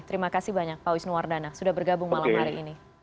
terima kasih banyak pak wisnu wardana sudah bergabung malam hari ini